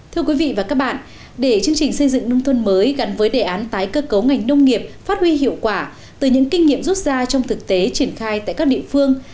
thưa quý vị và các bạn để chương trình xây dựng nông thôn mới gắn với đề án tái cơ cấu ngành nông nghiệp phát huy hiệu quả từ những kinh nghiệm rút ra trong thực tế triển khai tại các địa phương